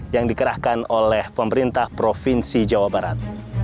yang dikerahkan oleh pemerintah provinsi jawa barat